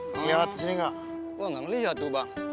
ngelihat di sini gak wah gak ngelihat tuh bang